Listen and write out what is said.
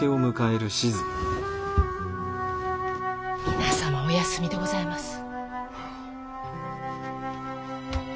皆様おやすみでございます。